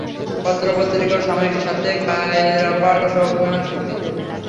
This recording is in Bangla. পত্র-পত্রিকা ও সাময়িকী সাপ্তাহিক পায়রাপাড়, শোক নয় শক্তি।